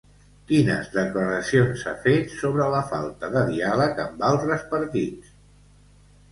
Quines declaracions ha fet sobre la falta de diàleg amb els altres partits?